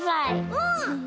うん！